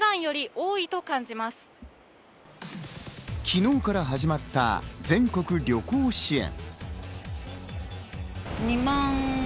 昨日から始まった全国旅行支援。